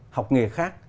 học nghề khác